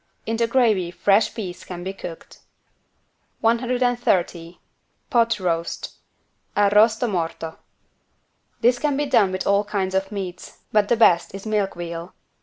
In the gravy fresh peas can be cooked. 130 POT ROAST (Arrosto morto) This can be done with all kinds of meats, but the best is milk veal.